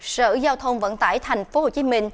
sở giao thông vận tải tp hcm